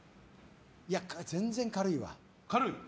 いや、全然軽いわ。